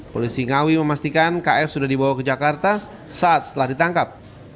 polisi ngawi memastikan kf sudah dibawa ke jakarta saat setelah ditangkap